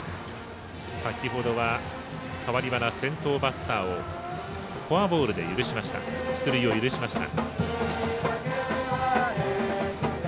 先ほどは、代わり端先頭バッターをフォアボールで出塁を許しました。